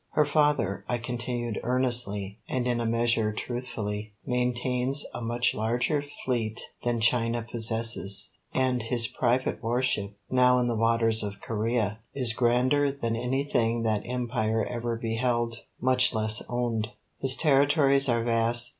"Her father," I continued earnestly, and in a measure truthfully, "maintains a much larger fleet than China possesses, and his private war ship, now in the waters of Corea, is grander than anything that empire ever beheld, much less owned. His territories are vast.